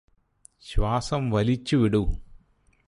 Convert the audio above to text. ശ്വാസം വലിച്ചു വിടൂ